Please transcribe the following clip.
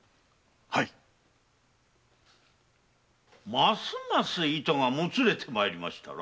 ますます糸がもつれて参りましたな。